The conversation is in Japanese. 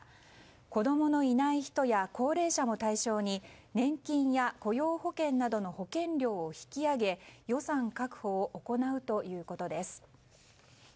子供のいない人や高齢者も対象に年金や雇用保険などの保険料を引き上げ予算確保を行うということです。